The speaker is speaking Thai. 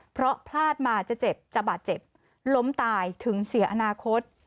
เพราะพลาดมาจะเจ็บจะบาดเจ็บล้มตายถึงเสียอนาคต